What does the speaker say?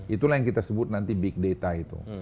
itulah yang kita sebut nanti big data itu